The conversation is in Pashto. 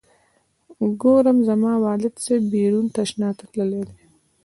ګورم زما والد صاحب بیرون تشناب ته تللی دی.